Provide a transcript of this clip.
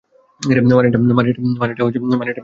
মানেটা বুঝলাম না।